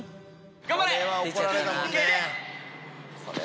頑張れ！